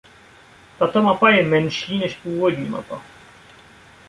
Tato mapa je menší než původní mapa.